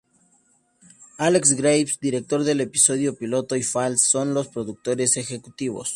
Alex Graves, director del episodio piloto, y Falls son los productores ejecutivos.